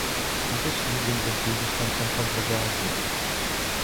Diese Studien sind Gegenstand von Kontroversen.